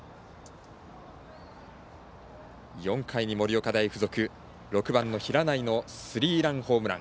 ４回に盛岡大付属、６番の平内のスリーランホームラン。